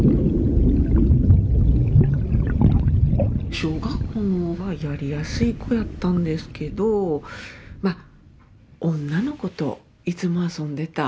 小学校はやりやすい子やったんですけどまあ女の子といつも遊んでた。